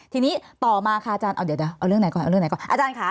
ที่นี้ต่อมาอาจารย์เอาเรื่องไหนก่อน